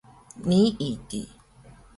nii di